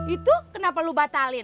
itu kenapa lu batalin